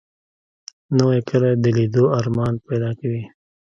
نوې کلی د لیدو ارمان پیدا کوي